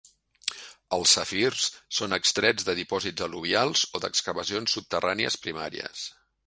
Els safirs són extrets de dipòsits al·luvials o d'excavacions subterrànies primàries.